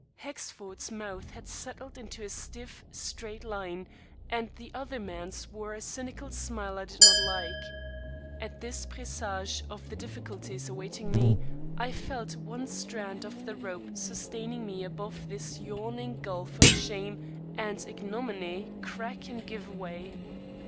Hexford's mouth had settled into a stiff, straight line and the other man's wore a cynical smile I did not like. At this presage of the difficulties awaiting me, I felt one strand of the rope sustaining me above this yawning gulf of shame and ignominy crack and give way.